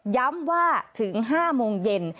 ย้ำว่าถึง๕โมงเย็น